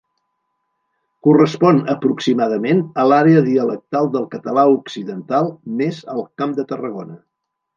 Correspon, aproximadament, a l'àrea dialectal del català occidental, més el Camp de Tarragona.